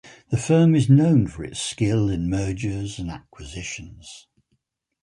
The firm is known for its skill in mergers and acquisitions.